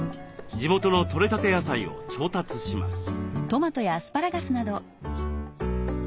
地元の取れたて野菜を調達します。